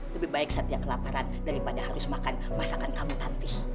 lebih baik saat dia kelaparan daripada harus makan masakan kamu tanti